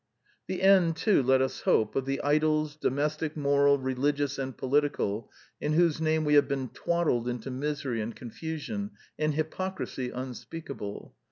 The end, too, let us hope, of the idols, do mestic, moral, religious, and political, in whose name we have been twaddled into misery and con fusion and hypocrisy unspeakable.